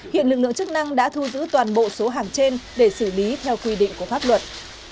hiện lực lượng chức năng đã thu giữ toàn bộ số hàng trên để xử lý theo quy định của pháp luật